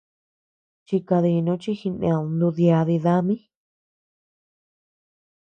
Chikadinu chi jined nuduyadi dami.